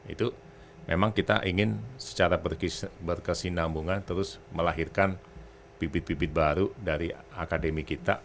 itu memang kita ingin secara berkesinambungan terus melahirkan bibit bibit baru dari akademi kita